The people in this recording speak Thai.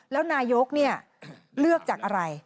แล้วนายกเลือกจากอะไร